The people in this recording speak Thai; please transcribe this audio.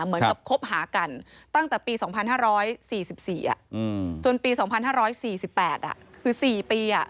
เหมือนกับคบหากันตั้งแต่ปี๒๕๔๔จนปี๒๕๔๘คือ๔ปี